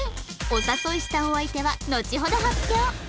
お誘いしたお相手はのちほど発表